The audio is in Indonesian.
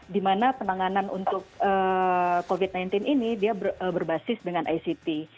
dimana penanganan untuk covid sembilan belas ini dia berbasis dengan ict